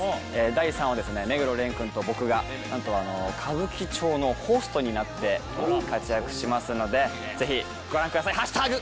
第３話はですね目黒蓮くんと僕が何と歌舞伎町のホストになって活躍しますので是非ご覧ください＃！